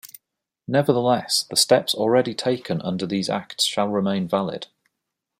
Nevertheless, the steps already taken under these Acts shall remain valid.